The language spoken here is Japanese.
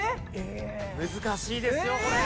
難しいですよこれ。